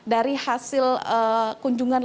dari hasil kunjungan